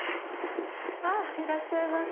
あいらっしゃいませ。